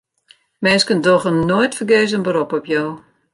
Minsken dogge noait fergees in berop op jo.